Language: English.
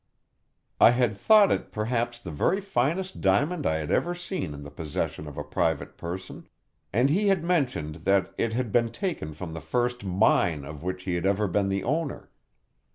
I had thought it perhaps the very finest diamond I had ever seen in the possession of a private person, and he had mentioned that it had been taken from the first mine of which he had ever been the owner.